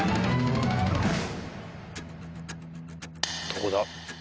どこだ？